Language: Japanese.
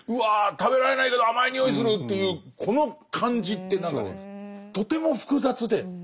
食べられないけど甘い匂いするというこの感じって何かねとても複雑で。